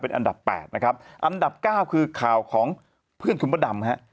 เป็นอันดับ๘นะครับอันดับ๙คือข่าวของเพื่อนคุณพระดำนะครับ